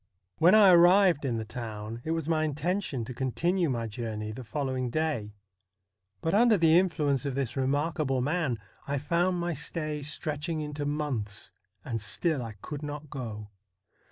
When I arrived in the town, it was my intention to con tinue my journey the following day, but under the influence of this remarkable man, I found my stay stretching into months, and still I could not go.